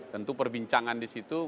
tentu perbincangan di situ